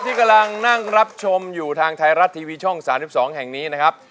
ที่กำลังนั่งรับชมอยู่ทางไทยรัฐทีวีช่อง๓๒แห่งนี้นะครับ